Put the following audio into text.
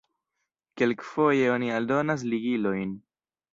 Kelkfoje oni aldonas ligilojn.